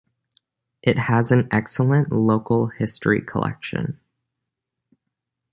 It has an excellent local history collection.